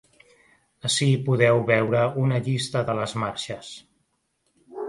Ací podeu veure una llista de les marxes.